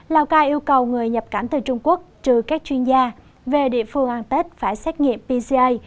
lào cai yêu cầu người nhập cảnh từ trung quốc trừ các chuyên gia về địa phương an tết phải xét nghiệm pci